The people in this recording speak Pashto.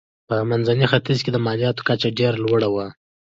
په منځني ختیځ کې د مالیاتو کچه ډېره لوړه وه.